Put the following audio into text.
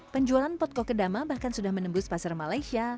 penjualan pot kokedama bahkan sudah menembus pasar malaysia